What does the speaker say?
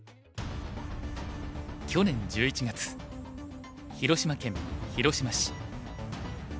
去年１１月広島県広島市。